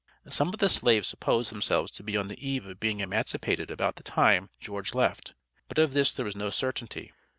Some of the slaves supposed themselves to be on the eve of being emancipated about the time George left; but of this there was no certainty.